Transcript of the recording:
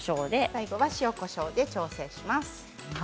最後は塩、こしょうで調整します。